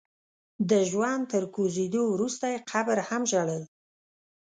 د ژوند تر کوزېدو وروسته يې قبر هم ژړل.